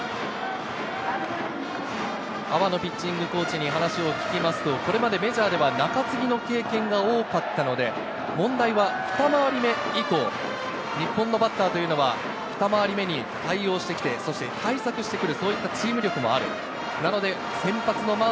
阿波野ピッチングコーチに話を聞きますと、これまでメジャーでは中継ぎの経験が多かったので、問題はふた回り目以降、日本のバッターというのは、ふた回り目に対応してきて、そして対策してくる。